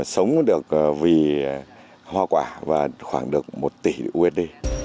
sống được vì hoa quả và khoảng được một tỷ usd